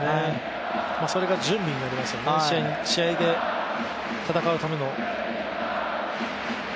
それが準備になりますよね、試合で戦うための。